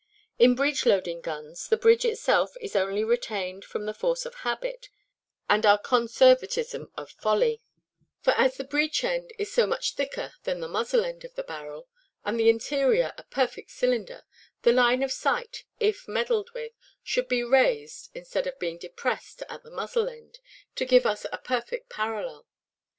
In breech–loading guns, the bridge itself is only retained from the force of habit, and our conservatism of folly; for as the breech–end is so much thicker than the muzzle–end of the barrel, and the interior a perfect cylinder, the line of sight (if meddled with) should be raised instead of being depressed at the muzzle–end, to give us a perfect parallel.